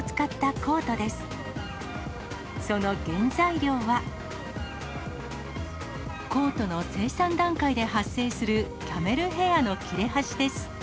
コートの生産段階で発生するキャメルヘアの切れ端です。